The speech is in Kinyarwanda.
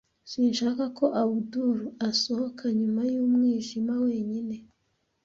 Sinshaka ko Abudul asohoka nyuma y'umwijima wenyine.